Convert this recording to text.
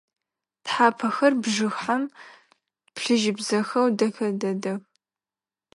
Тхьапэхэр бжыхьэм плъыжьыбзэхэу дэхэ дэдэх.